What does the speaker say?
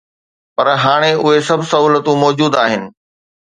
پر هاڻي اهي سڀ سهولتون موجود آهن.